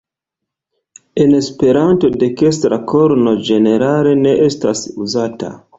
En Esperanto dekstra korno ĝenerale ne estas uzata.